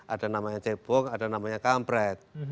ada namanya cebong ada namanya kampret